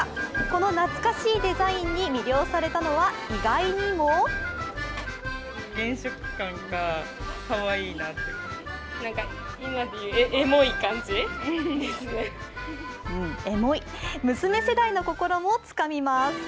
この懐かしいデザインに魅了されたのは、意外にもエモい娘世代の心もつかみます。